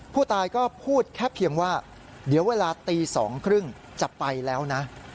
ผู้ตายก็พูดแค่เพียงว่าเดี๋ยวเวลาตี๒๓๐จะไปแล้วนะ